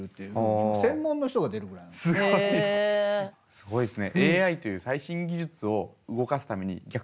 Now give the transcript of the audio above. すごいですね。